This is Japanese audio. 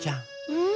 うん？